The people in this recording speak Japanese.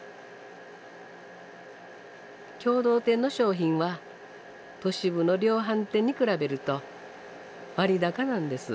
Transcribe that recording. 共同店の商品は都市部の量販店に比べると割高なんです。